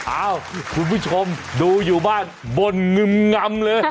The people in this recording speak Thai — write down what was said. อ้าวคุณผู้ชมดูอยู่บ้านบ่นงึมงำเลย